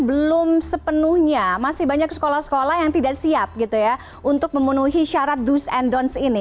belum sepenuhnya masih banyak sekolah sekolah yang tidak siap gitu ya untuk memenuhi syarat do's and don'ts ini